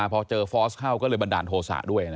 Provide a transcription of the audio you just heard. พอเจอฟอสเข้าก็เลยบันดาลโทษะด้วย